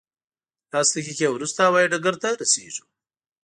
لس دقیقې وروسته هوایي ډګر ته رسېږو.